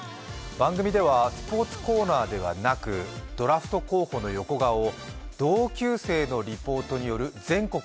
番組ではスポーツコーナーではなくドラフト候補の横顔を同級生のリポートによる「全国！